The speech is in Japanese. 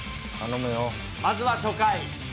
まずは初回。